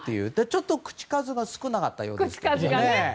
ちょっと口数が少なかったようですけどね。